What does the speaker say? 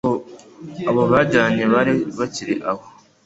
Abo bajyanye bari bakiri aho